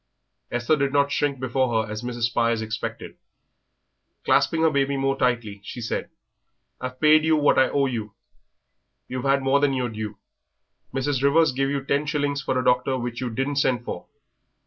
Esther did not shrink before her as Mrs. Spires expected. Clasping her baby more tightly, she said: "I've paid you what I owe you, you've had more than your due. Mrs. Rivers gave you ten shillings for a doctor which you didn't send for.